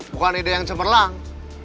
bukan ide yang cemerlang